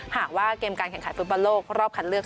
หากว่าเกมการแข่งขันฟุตบอลโลกรอบคัดเลือก